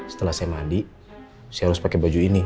setelah saya mandi saya harus pakai baju ini